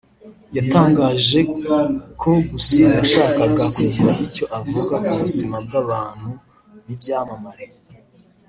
yatangaje ko gusa yashakaga kugira icyo avuga ku buzima bw’abantu b’ibyamamare